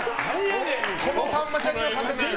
このさんまちゃんには勝てない。